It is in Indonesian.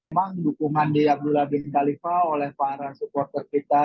memang dukungan di abdullah bin khalifah oleh para supporter kita